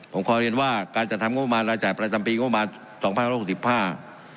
ผมคอยเรียนว่าการจัดทำงบประมาณรายและจ่ายประตันปีงบประมาณ๒๖๖๕